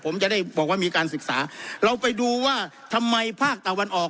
ผมจะได้บอกว่ามีการศึกษาเราไปดูว่าทำไมภาคตะวันออก